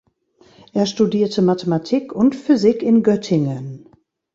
Er studierte Mathematik und Physik in Göttingen.